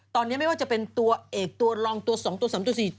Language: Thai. ตอนนี้ไม่ว่าจะเป็นตัวเอกตัวรองตัว๒ตัว๓ตัว๔